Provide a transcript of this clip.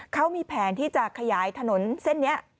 เขามีแผนที่จะขยายถนนเส้นนี้